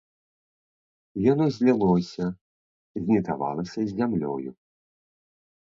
Яно злілося, знітавалася з зямлёю.